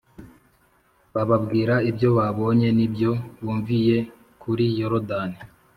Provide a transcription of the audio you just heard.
Bababwira ibyo babonye n’ibyo bumviye kuri Yorodani